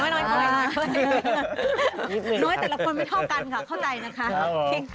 น้อยแต่ละคนไม่เท่ากันค่ะเข้าใจนะคะ